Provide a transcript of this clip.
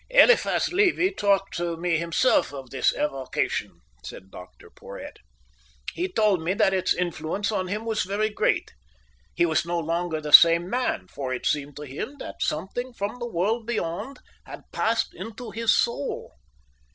"Eliphas Levi talked to me himself of this evocation," said Dr Porhoët. "He told me that its influence on him was very great. He was no longer the same man, for it seemed to him that something from the world beyond had passed into his soul."